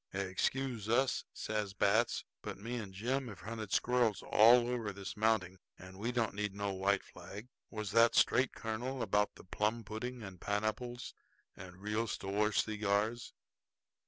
"Excuse us," says Batts, "but me and Jim have hunted squirrels all over this mounting, and we don't need no white flag. Was that straight, colonel, about the plum pudding and pineapples and real store cigars?"